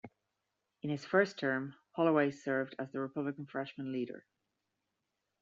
In his first term, Holloway served as the Republican Freshman Leader.